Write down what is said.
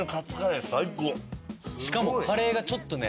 しかも。